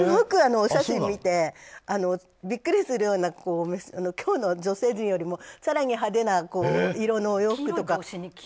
お写真見てビックリするような今日の女性陣よりも更に派手な色のお洋服とか。